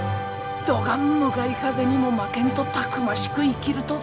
どがん向かい風にも負けんとたくましく生きるとぞ。